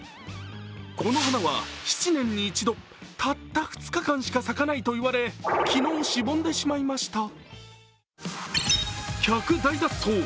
この花は７年に一度たった２日間しか咲かないといわれ昨日しぼんでしまいました。